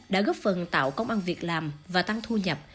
đã góp phần tạo công an việc làm và tăng thu nhập